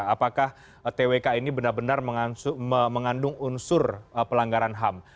apakah twk ini benar benar mengandung unsur pelanggaran ham